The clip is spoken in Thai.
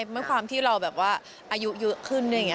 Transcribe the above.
ไม่ความที่เราอายุขึ้น